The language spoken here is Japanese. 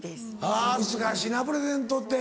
あぁ難しいなプレゼントって。